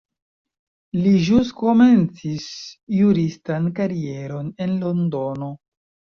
Li ĵus komencis juristan karieron en Londono.